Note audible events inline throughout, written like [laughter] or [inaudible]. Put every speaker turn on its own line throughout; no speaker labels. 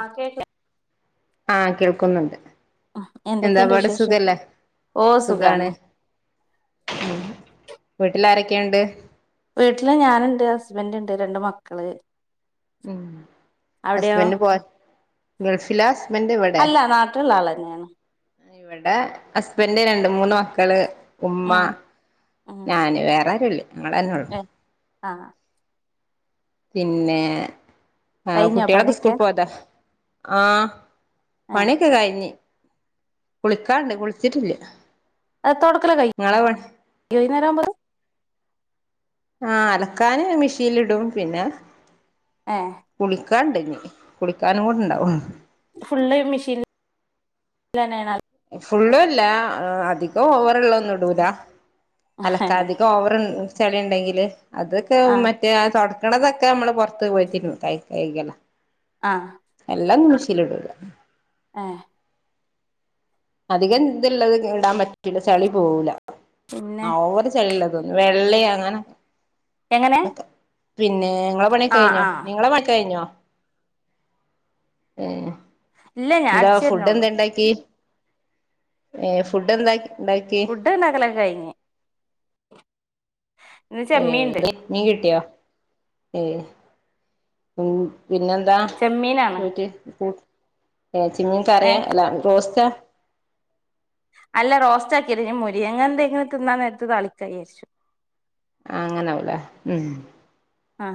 ആ കേ [unintelligible]
ആഹ് കേൾക്കുന്നുണ്ട്
എന്തൊക്കെയുണ്ട്
എന്താപാടെ
വിശേഷം
സുഖല്ലേ സുഖാണ് ഉ വീട്ടില് ആരൊക്കെ ഉണ്ട്
വീട്ടില് ഞാനുണ്ട് ഹസ്ബന്റ് ണ്ട് രണ്ട് മക്കള്.
ഉം
അവിടെയോ
ഹസ്ബൻഡ് പോയ ഗൾഫിലാ ഹസ്ബൻഡ് വടെ?
അല്ല നാട്ടിലുള്ള ആള് തന്നെയാണ്
വടെ ഹസ്ബന്ഡ് രണ്ട് മൂന്ന് മക്കള് ഉമ്മ
ഉം
ഞാന് വേറെ ആരുല്ല. ഞങ്ങളന്നെ ഉള്ളു.
ആഹ്
പിന്നെ ആഹ്
കഴിഞ്ഞോ
കുട്ടിയേളെക്കെ സ്കൂൾ
പണിയൊക്കെ
പോയതാ ആഹ്
ഏ
പണി ക്കെ കഴിഞ്ഞ്. കുളിക്കാണ്ട് കുളിച്ചിട്ടില്ല.
എഹ് തൊടക്കലൊക്കെ കയ്
നിങ്ങളെ പണി
[unintelligible] വൈന്നേരാവുമ്പോത്തും
ആഹ് അലക്കാന് മിഷീല് ഇടും പിന്നെ
ഏഹ്.
കുളിക്കാണ്ട് ഇഞ് കുളിക്കാനും കൂടണ്ടാവും
ഫുള്ള് മെഷീൻ ലെന്നേണോ?
ഫുള്ളും ഇല്ലാ ഏഹ് അധികം ഓവറ്ള്ള ഒന്നും ഇടൂല. അലക്കാധികം ഓവർ ചെളി ഉണ്ടെങ്കില് അതൊക്കെ [unintelligible]
ആ
[unintelligible] തുടക്കണതൊക്കെ നമ്മള് പുറത്ത് പോയിട്ടിരുന്നു കൈ [unintelligible]
ആഹ്
എല്ലന്നും മിഷീൻല് ഇടൂല്ല.
ഏഹ്
അധികം ഇതിള്ളത് ഇടാൻ പറ്റൂല ചെളി പോവൂല.
പിന്നെ
ആഹ് ഓവറ് ചളി ഇള്ളതൊന്നും വെള്ളിം, അങ്ങന
എങ്ങനെ
അതൊക്കെ. പിന്നേ നിങ്ങളെ പണിയൊക്കെ
ആ
കഴിഞ്ഞോ?
ആ
നിങ്ങളെ പ കഴിഞ്ഞോ? ഏഹ്
ഇല്ല ഞാൻ
എന്താ
അടിച്ചു
ഫുഡ്
വരുന്നേള്ളൂ
എന്താ ഇണ്ടാക്കി ഏ ഫുഡ് എന്താണ്ടാക്കി.
[unintelligible] ഇണ്ടക്കലക്കെ കഴിഞ്ഞു ഇന്ന്
ഹെ
ചെമ്മീൻണ്ട്
മീൻ കിട്ടിയോ ഏ ഉ പിന്നെന്താ
ചെമ്മീനാണ്
ചോ [unintelligible] ചെമ്മീൻ
ഏ
കറിയാ അല്ലാ റോസ്റ്റാ
അല്ല റോസ്റ്റാക്കിയ [unintelligible] അങ്ങ [unintelligible] എന്തെങ്കിലും തിന്നാൻ നേരത്ത് താളിക്കായിയാരിച്ചു.
അങ്ങനാവൂലെ ഉം
ആ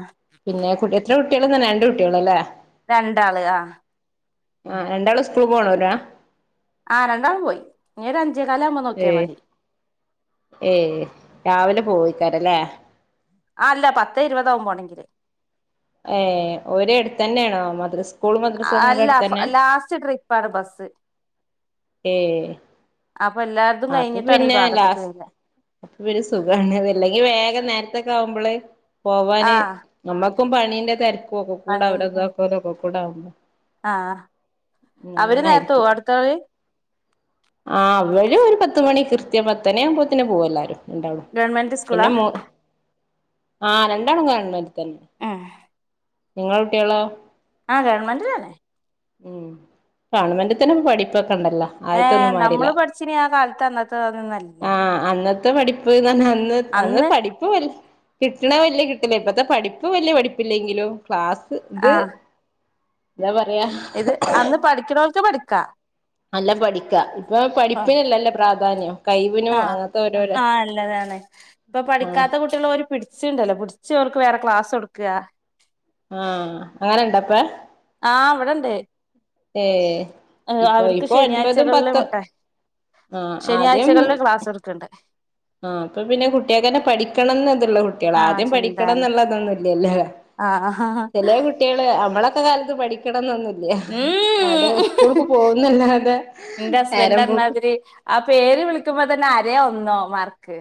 പിന്നെ കുട്ടി എത്ര കുട്ടികളന്നന്നെ രണ്ട് കുട്ടികള് അല്ലേ?
രണ്ടാള് ആഹ്
ആ രണ്ടാളും സ്കൂളിപോണോരാ
ആഹ് രണ്ടാളും പോയി ഇനി ഒരു അഞ്ചേകാല് ആകുമ്പോ നോക്കിയാ മതി
ഏയ് രാവിലെ പോയിക്കാരല്ലേ
ആ അല്ല പത്ത് ഇരുപതാവും പോണെങ്കില്
ഏ [unintelligible] അടുത്ത് തന്നെയാണോ മദ്രസ് സ്കൂൾ മദ്രസക്കെ
അല്ല
അടുത്തന്നെ
ലാസ്റ്റ് ട്രീ [unintelligible] ബസ്സ്
ഏ
അപ്പൊ എല്ലാര്തും
അത്
കഴിഞ്ഞിട്ടാണ് ഈ
പിന്നെ
ഭാഗത്ത്ക്ക്
ലാസ്
വരിക
അപ്പൊ പിന്നെ സുഖ [unintelligible] അല്ലെങ്കി വേഗം നേരത്തക്കെ ആകുമ്പോള്
ആ
പോവാന് നമ്മക്കും പണീന്റെ തെര ഒക്കെ കൂടാവിട ഒക്കെ കൂട
ആഹ് അവര് നേരത്ത പോ അടുത്ത [unintelligible]
ആഹ് അവര് ഒരു പത്ത് മണി കൃത്യം പത്തുമണി ആവുമ്പോത്തേന് പോവുല്ലാരും. [unintelligible]
ഗവൺമെന്റ് സ്കൂളാ
പിന്നെ മോ ആഹ് രണ്ടാളും കാണു [unintelligible] അടുത്ത് തന്നെ
ഉം
നിങ്ങള കുട്ടികളോ
ആഹ് ഗവൺമന്റിലന്നെ
ഉം ഗവൺമെന്റിത്തന്നെ [unintelligible] പഠിപ്പൊക്കെ ഉണ്ടല്ലോ
ഏഹ്
ആദ്യത്തൊന്നും മാരില്ല
നമ്മള് പഠിച്ചിനി ആ കാലത്ത് അന്നത്ത നല്ല
ആ അന്നത്തെ പഠിപ്പ് [unintelligible] അന്ന് അന്ന് പഠി [unintelligible] കിട്ടണ വലിയ കിട്ടില്ല ഇപ്പത്തെ പഠിപ്പ് വലിയ പഠിപ്പില്ലെങ്കിലും ക്ലാസ്
ആ
ഇത് [unintelligible]
ഇത് അന്ന് പഠിക്കണവർക്ക് പഠിക്കാ
നല്ല പഠിക്കാ ഇപ്പൊ പഠിപ്പിനല്ലല്ലോ പ്രാധാന്യം കഴിവിനും
ആഹ്
അങ്ങനത്തെ ഓരോരോ
ആഹ് [unintelligible] ല്ലതാണ് ഇപ്പൊ
ആ
പഠിക്കാത്ത കു റ്റുള്ളവര് പിടിച്ചുണ്ടല്ലോ പിടിച്ച് അവർക്ക് വേറെ ക്ലാസ് കൊടുക്കുക.
ആ അങ്ങനെണ്ടാപ്പ
ആഹ് ഇവിടെണ്ട്
ഇപ്പൊ
അവർക്ക്
ഇപ്പൊ ഒൻപതും
ശനിയാഴ്ചകളില്
പത്തും
[unintelligible]
ആ
ശനിയാഴ്ചകളില് ക്ലാസ് എടുക്കണ്ട്.
ആഹ് ഇപ്പൊ പിന്നെ കുട്ടികൾക്കന്നെ പഠിക്കണന്നതുള്ള കുട്ടികളാ
ആഹ്
ആദ്യം
ചിന്താണ്
പഠിക്കണന്നുള്ളതൊന്നുല്ലല്ലേ.
ആഹ് ഹ്ഹ്ഹാ
കുട്ടികള് അമ്മളൊക്കെ കാലത്ത് പഠിക്കണംന്നൊന്നില്ല
ഉം
[unintelligible] സ്കൂൾക്ക് പോകുന്നല്ലാതെ
എന്റെ ഹസ്ബൻഡ്
നേരം പോക്ക്
അന്നാതിരി ആ പേര് വിളിക്കുമ്പോ തന്നെ അരയൊ ഒന്നോ മാർക്ക്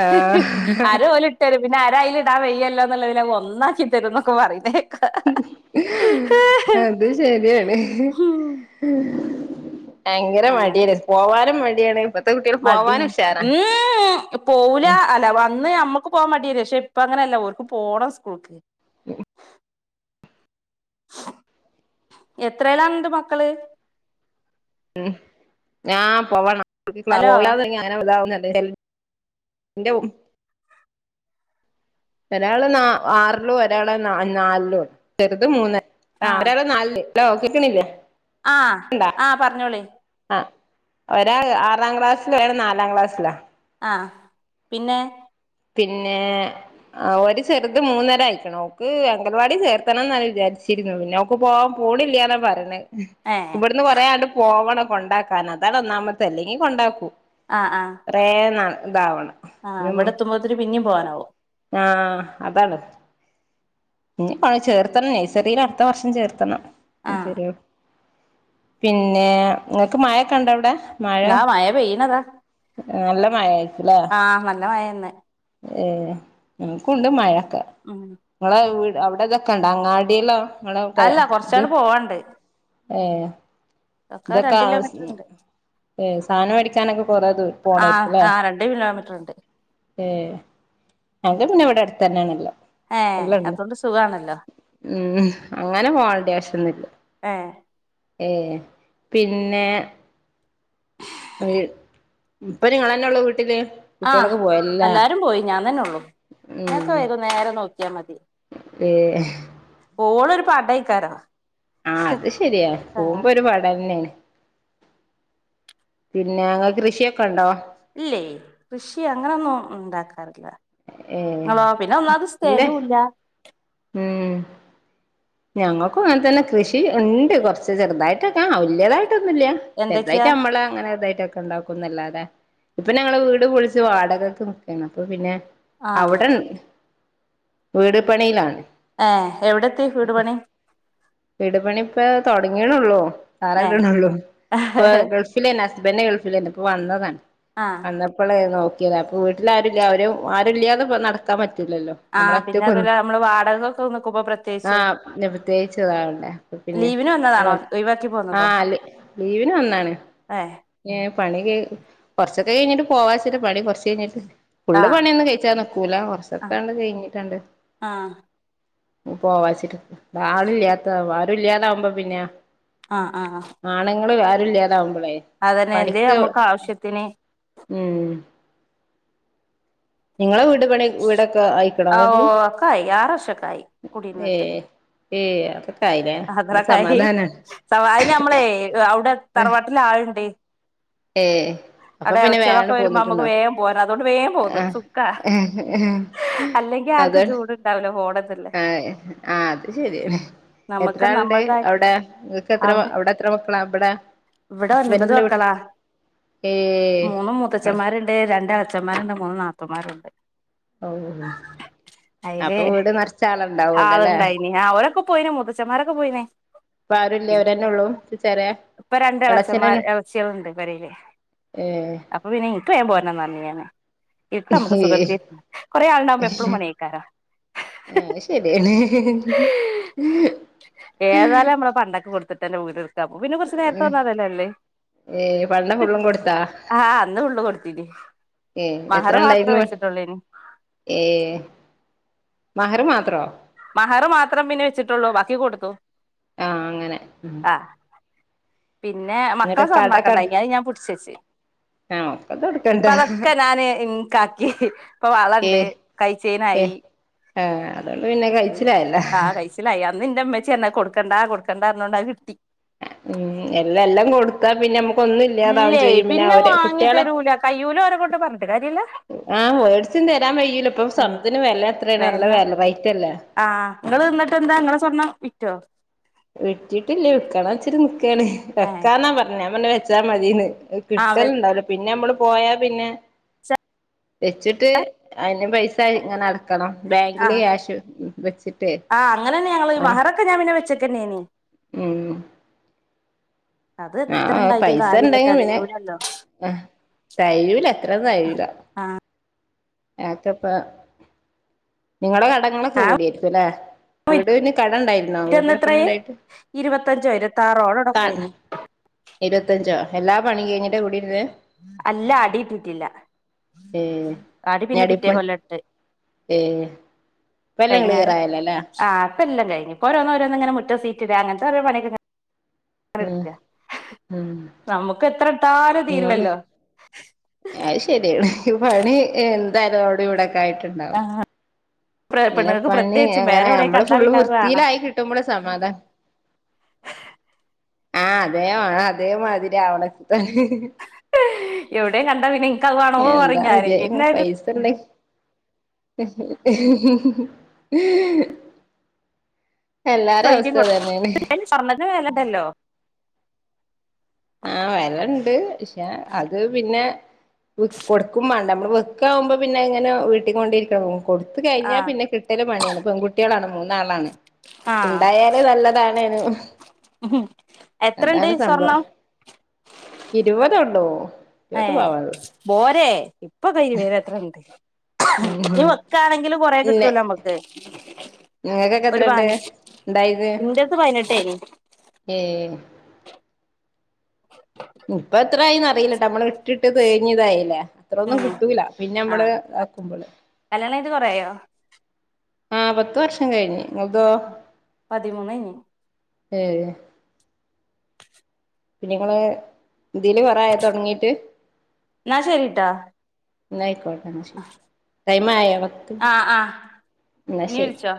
ആ
ഹ്ഹ് [unintelligible] തരും പിന്നെ ആരയിലിടാ വെയ്യല്ലോ എന്നുള്ളതി ഒന്നാക്കി തരും എന്നൊക്കെ പറന്നെ
അത് ശരിയാണ്.
ഉം
ഭയങ്കര
അങ്ങനെ
മടിയല്ലെ. പോവാനും മടിയാണ് ഇപ്പത്തെ കുട്ടികൾ പോവാന്
മടിയാണ്
ഉഷാറാ
[unintelligible] പോവൂല
ഉം
അല്ല അന്ന് ഞമ്മുക്ക് പോകാൻ മടിയ പക്ഷെ ഇപ്പ അങ്ങനെയല്ല ഓർക്ക് പോണം സ്കൂൾക്ക്
[inaudible]
എത്രേലാ നിന്റെ മക്കള്
ഉം ഞാൻ പോവണം
ഹലോ
[unintelligible] [unintelligible] ഒരാള് ന ആറിലോ ഒരാളെ ന നാലിലോ ആണ് ചെറുത് മൂന്ന് ആഹ് ഒരാള് നാലില് ഹലോ കേക്ണില്ലേ.
ആഹ് ആഹ് പറഞ്ഞോളി.
അഹ്. ഒരാഹ് ആറാം ക്ലാസ്ൽ ഒരാള് നാലാം ക്ലാസ്സിലാ
ആഹ് പിന്നെ
പിന്നേ ആഹ് ഒരു ചെറുത് മൂന്നര ആയിക്ക്ണ്. ഓക്ക് അങ്കൽവാടി ചേർത്തണം എന്നാ വിചാരിച്ചിര്ന്നു പിന്നെ ഇപ്പൊ പോവാൻ പോണില്ല്യാന്നാ പറിണത്.
ഏഹ്
ന്ന് കൊറെ ആണ്ട് പോവണം കൊണ്ടാക്കാൻ അതാണ് ഒന്നാമത്തെ. അല്ലെങ്കി കൊണ്ടാക്കു.
ആഹ് ആഹ്
റേ ന ഇതാവണം.
ആഹ് വടെത്തുമ്പോത്ത്ന് പിന്നിം പോവാനാവും.
ആഹ് അതാള്ളത് ഇഞ് ഇപോളെ ചേർത്തണം. നെയ്സറീൽ അട്ത്ത വർഷം ചേർത്തണം. ഉം
ആഹ്
ചെറിയ കു. പിന്നേ ഇങ്ങക്ക് മഴൊക്കെ ഉണ്ടോ അവ്ടെ?
ദാ മയ പെയ്യ്ണതാ.
അആഹ് നല്ല മഴേ
ആഹ് നല്ല മയെ ന്ന്
ഏഹ് ഇൻകൂണ്ട് മഴൊക്കെ.
അങ്ങന
ഇങ്ങളെ വീട് അവിടെ ഇതൊക്കണ്ടാ അങ്ങാടീള്ള ങ്ങളൊക്കെ
അല്ല
ത്?
കൊറച്ചാണ്ട് പോവാണ്ട്.
ഏഹ്
ഒക്കെ രണ്ട് കിലോമീറ്റർ
ദൊകാവ്സിം
ഉണ്ട്
ഏഹ് സാധനം വേടിക്കാനൊക്കെ കൊറേ ദൂ
ആഹ്
പോണേര്ക്കുലേ
ആഹ് രണ്ട് കിലോമീറ്റർ ഉണ്ട്
ഏഹ് അൻ്റെ പിന്നെ വിടെ അടുത്തന്നെണല്ലോ.
ഏഹ്
എല്ലണ്ട്
അതോണ്ട് സുഖാണല്ലോ
ഉം അങ്ങനെ പോവണ്ട്യ ആവശ്യൊന്നില്ല.
ഏഹ്
ഏഹ് പിന്നെ [unintelligible] ഇപ്പൊ നിങ്ങളന്നെ ഉള്ളൂ വീട്ടില് കുട്ടികളൊക്കെ
ആഹ്
പോയല്ലേ
അല്ലാരും പോയി ഞാൻ തന്നെ ഒള്ളൂ നിഒക്കെ വൈകുന്നേരം നോക്ക്യാ മതി
ഏഹ്
പോഓളം ഒരു പടയ്ക്കാരം
ആഹ് അത് ശരിയാ പോവുമ്പോ ഒരു പട ന്നെണ് പിന്നെ ങ്ങക്ക് കൃഷിയൊക്കെ ഇണ്ടോ
ഇല്ലേ കൃഷി അങ്ങനെഒന്നും ഉണ്ടാക്കാറില്ല
ഏ
ഞളോ പിന്നെ ഒന്നാമത്
ഇല്ലേ
സ്ഥലോല്ല
ഉം ഞങ്ങക്കും അങ്ങൻതന്നെ കൃഷി ഇണ്ട് കൊർച്ച് ചെറുതായിട്ടൊക്കെ ആ വല്ല്യതായിട്ടൊന്നുല്ല്യ
എന്തൊക്കെയാ
ചെർതായിട്ട് നമ്മള അങ്ങനെതായിട്ടെക്ക ക്കു ഇണ്ടാക്കുന്നല്ലാതെ ഇപ്പ ഞങ്ങളെവീട് പൊളിച്ച് വാടകക്ക് നിക്കാണ് അപ്പൊ പിന്നെ
ആഹ്
അവ്ടൺ വീട്പ്പണീലാണ്
ഏഹ് എവിടെത്തി വീട് പണി
വീട്പണി ഇപ്പ തുടങ്ങീടൊള്ളൂ
ഏ
തറേട്‌ണെള്ളൂ ഇപ്പ ഗൾഫ് പിന്നെന്ന ഹസ്ബൻഡ് ഗൾഫിലേന്ന് ഇപ്പോ വന്നതാണ്
ആഹ്
വന്നപ് പ്പളെ നോക്കേത് അപ്പൊ വീട്ടില്ആരുല്ല്യാഅവര ആരല്ല്യാതെപ്പോ നടക്കാൻ പറ്റൂല്ലല്ലോ
ആഹ് പിന്നെ
നമ്മളെഒറ്റകൊന്ന്
അതുപോലെ നമ്മള് വാടകൊക്കെ നിക്കുമ്പോ പ്രത്യേകിച്ചും
ആഹ് ന്നെ പ്രത്യേകിച്ച് ട്ട് വേണ്ടേ അപ്പപിന്നെ
ലീവിന് വന്നതാണോ
വൽ
ഒഴിവാക്കി പോന്നതോ
ആഹ് അല്ല് ലീവിന് വന്നാണ്
ഏ
ന്നേ പണി കഴി കൊറച്ചൊക്കെ കഴിഞ്ഞിട്ട് പോവാച്ച്ട്ടെപണി കുറച്ചഴിഞ്ഞിട്ട് ഫുള്
ആഹ്
പണിയൊന്നന്നും കഴിച്ചാ നിക്കൂല
ആഹ്
കൊറച്ചൊക്കെണ്ട് കഴഞ്ഞിട്ടാണ്ട്
ആഹ്
പോവാച്ചിട്ട് ആളില്ലാത്ത ആരും ഇല്ലാതാവുമ്പ പിന്നെ
ആഹ് ആഹ് ആഹ്
ആണ്ങ്ങള് ആരും ഇല്ലാതാവുമ്പളേ
എന്തേ
പണിക്ക്
നമുക്ക് ആവശ്യത്തിന്
ഉം നിങ്ങളെ വീട് പണിയ് വീടൊക്കെ ആയിക്ക്ണോ
ആ ഓ
നിങ്ങക്ക്
ഒക്കായി ആറ് വർഷൊക്കായി കുടിയിരുന്നിട്ട്
ഏഹ് ഏയ് അത്
[unintelligible] സവായിനമ്മളെയ് അവ്ടെ തറവാട്ടില് ആള്ണ്ടേ
ഏഹ് അപ്പൊ
അടെ
പിന്നെ
എളച്ചീളൊക്കെ
വേഗാണ്ട്
വരുമ്പം അമ്മക്ക്
പോന്നിട്ടുണ്ടോ
വേം പോരാ അതോണ്ട് വേംപോന്ന്
ആഹ്
സുഖാ അല്ലെങ്കി ആർക്കും ചൂട്ണ്ടാവില്ല പോണംന്ന്
ണെ ആഹ് അത് ശരിന്നെ
നമുക്ക്
എത്രാആളിണ്ട്
നമ്മൾതായ
അവ്ടെ നിങ്ങക്ക് എത്ര അവ്ടെ എത്ര മക്കളാ ഇവടെ
ഇവടെ ഒൻപത് മക്കളാ
ഏയ്
ച്ഛന്മാര്ണ്ട് രണ്ട് അച്ഛന്മാരുണ്ട് മൂന്ന് നാത്തൂന്മാരൂണ്ട്
ഔഹ് അപ്പ
അയില്
വീട് നെർച്ച് ആളുണ്ടാവോലലേ
ഞാ അവരൊക്കെ പോയിന് മൂത്തച്ഛന്മാരൊക്ക പോയിന്
ഇപ്പ
പിന്നെ
ആരുല്ലഅവരന്നേ ഒള്ളൂ ഇച്ചെറെ
ഇപ്പൊ രണ്ട് ഇളച്ചന്മാർ
എളേച്ചനെൻ ഏഹ്
അപ്പ പിന്നെ ഇൻക്ക് വേഗം പോരണംന്നർഞ്ഞു ഞാന് ഇട്ട് അമ്മക്ക് സുഖത്തേ കൊറേ ആള്ണ്ടാവുമ്പോ എപ്പളും പണിയെയ്ക്കാരം
ആഹ് അഅ് ശര്യാണ്
ഏതാലും നമ്മള് പണ്ടൊക്കെ കൊടുത്തിട്ടെന്നെ വീടിറ്ത്താക്കൂ അപ്പൊ പിന്നെ കൊറച്ച് നേരത്തെ വന്നാ അതല്ലേല്ലേ
ഏ പണ്ട ഫുള്ളും കൊടുത്താ
ആഹ് അന്ന് ഫുള്ള് കൊട്ത്തീനിം
ഏ
മഹറ് മാത്രം വെച്ചിട്ടൊള്ളീനിം
ഏഹ് മഹറ് മാത്രോ
മഹറ് മാത്രം പിന്നെ വെച്ചിട്ടൊള്ളൂ ബാക്കി കൊടുത്തു
ആ അങ്ങനെ
അഹ് പിന്നെ
എന്നിട്ട്
മക്കളെ
കടക്ക
സ്വർണ്ണൊക്കെ ഇണ്ടായ്നി അഅ് ഞാൻ പുട്ച്ചെച്ച്
ആ ഒക്കത് കൊടുക്കണ്ട
ഇപ്പ അതൊക്കെ ഞാന് ഇൻകാ ഇഹ് ഇപ്പ
ഏ
വളണ്ട് കൈചെയിനായി
ഏ അതുകൊണ്ട് പിന്നെ കയിച്ചിലായല്ലോ
[unintelligible] അന്ന് ന്റെ അമ്മച്ചി ആർന്ന് അഹ് കൊടുക്കണ്ട കൊടുക്കണ്ടാർന്നോണ്ട് അഹ് കിട്ടി
ഉം എല്ലാ എല്ലാം കൊടുത്താ പിന്നെ ഒന്നും ഇല്ലാതാവും
ഇല്ലേ
ചെയ്യും
പിന്നെ
അവര് കുട്ടികളെ
വാങ്ങിതരൂല കയ്യൂല ഓരെ കൊണ്ട് പറഞ്ഞിട്ട് കാര്യ ഇല്ല
ആഹ് വേഡ്സും തരാൻ കൈയൂല ഇപ്പ സ്വർണത്തിന് വില എത്രാണ് നല്ല വെല റെയിറ്റല്ലേ
ആഹ് നിങ്ങള് ന്നിട്ട് എന്താ ഇങ്ങളെ സ്വർണ്ണം വിറ്റോ
വിറ്റിട്ടില്ല വിക്കണ ഇച്ചിരി നിക്കാണ്
ഏഹ്
വെക്കാന്നാ പറഞ്ഞേ ഞാൻ പറഞ്ഞ് വെച്ചാ മതീന്ന്
ആഹ് വെ
കിട്ടൽണ്ടാവില്ല പിന്നെ നമ്മള് പോയാ പിന്നെ വെച്ചിട്ട് അയിന് പൈ [unintelligible] ഇങ്ങനടക്കണം ബാങ്കില്
ആഹ്
ക്യാഷ് വെച്ചിട്ടേ ആഹ്
ഇപ്പം ഞാൻ പിന്നെ വെച്ചേക്കന്നെ നീ
ഉം
അത്
ആ
എത്ര ണ്ടായിട്ടും കാര്യ ഇല്ല തെകയൂലല്ലോ
ആഹ് തയൂല്ല അത്ര തയൂല്ല [unintelligible] നിങ്ങടെ കടങ്ങളൊക്കെ
ഞാൻ
വീഡിയോക്കുല്ലേ വീട് പിന്നെ കടം ഇണ്ടായിരുന്നോ
വിറ്റന്ന്
വീടിന്റെ
എത്രേ
ഇപ്പണിണ്ടായിട്ട്
ഇരുപത്തഞ്ചോ ഇരുപത്താറോ അവടെ എവടോ
താൾ
പോയിനി
ഇരുവത്തഞ്ചോ എല്ലാ പണിയും കഴിഞ്ഞിട്ട് കൂടിർന്ന്
അല്ല അടിയിട്ടിട്ടില്ല
ഏ
അടി പിന്നെ പിറ്റേ
ഞടിപ്പണി
കൊല്ലട്ട്
ഏ ഇപ്പെല്ലാം
കൈഞ്ഞാരെ
ക്ലിയറായല്ലോല്ലേ
ആഹ് ഇപ്പ എല്ലാം കഴിഞ്ഞ് ഇപ്പ ഓരോന്നോരോന്നിങ്ങനെ മുറ്റം സീറ്റ് ഇടാ അങ്ങനത്തെ ഒരോ പണിയക്കെ
ഉം ഉം
നമുക്ക് എത്രട്ടാലുംതീരുല്ലല്ലോ
അയ് ശരിയാണ് പണി എന്താലും അവഡിം ഇവടെക്കെ ആയിട്ടുണ്ട ഇങ്ങനെ
പെണ്ണുങ്ങൾക്ക്
പണി
പ്രത്യേകിച്ചും വേറെ
അങ്ങനെ
എവിടെയും
നമ്മള്
കണ്ടാ
ഫുള്ള്
പിന്നെ അത് വേണം
വൃത്തിയിലായി കിട്ടുമ്പോള സമാദ ആഹ് അതേ മാണ അതേമാതിരി ആവണ [inaudible]
എഹുടെ കണ്ട പിന്നെ ഇ
എന്താ വിജയ പൈസ ഇണ്ടെ ഹ ഹ മം
സ്വൈര്യം
അവസ്ഥ അതന്നെയാണ്
കൊടുക്കും സ്വർണ്ണത്തിന് വേലണ്ടല്ലോ
ആഹ് വിലണ്ട് പക്ഷെ അത് പിന്നെ കൊടുക്കും മാണ്ട നമ്മള് വെക്ക് ആവുമ്പോ പിന്നെ ഇങ്ങനെ വീട്ടി കൊണ്ടിരിക്കാവും കൊടുത് കഴിഞ്ഞാ
ആഹ്
പിന്നെ കിട്ടൽ പണിയാണ് പെൺ കു കുട്ടികളാണ് മൂന്നാളാണ്
ആഹ്
ഇണ്ടായാല് നല്ലതാണ്നു
എത്രണ്ട് സ്വർണം
ഇരുപത് ഒള്ളൂ
ഏ പോരെ ഇപ്പ കഴിയും ഇതത്ര ഇങ്ക് ഇനി വെക്കാണെങ്കിലും കൊറേ
ഇല്ലെ
കിട്ടലോ നമ്മക്ക്
നിങ്ങക്കൊക്കെ
ഒരു
എത്രണ്ട്
പനിശ് ഇന്റത്തു പൈനെട്ട് നി
ഏ ഇപ്പ എത്രായിന്ന് അറിയില്ലട്ടോ നമ്മള് ഇട്ടിട്ട് തേഞ്ഞ്തായില്ലേ അത്രൊന്നും
ഉം
കിട്ടൂല പിന്നെ നമ്മള്
ആഹ്
ആക്കുമ്പള്
കല്യാണം കഴിഞ്ഞിട്ട് കൊറേ ആയോ
ആഹ് പത്ത് വർഷം കഴിഞ്ഞ് നിങ്ങതോ
പതിമൂന്ന്ഴിഞ്ഞ്
ഏ.. പിന്നെ നിങ്ങള് ദില് കുറായോ തോടങ്ങീട്ട്
എന്നാ ശരിട്ടോ
ന്നയിക്കോട്ടെ
ആഹ്
ട്ടയ്മായോ പത്ത്
ആഹ്
ഇന്നാ
ഇനി
ശരി
വിളിച്ചോ